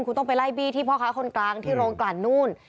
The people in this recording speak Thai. คุณต้องไปไล่บี้ที่พ่อค้าคนกลางที่โรงกลั่นนู่น